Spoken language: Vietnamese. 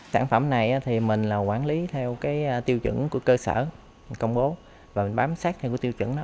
sản phẩm này thì mình là quản lý theo cái tiêu chuẩn của cơ sở công bố và bám sát theo cái tiêu chuẩn đó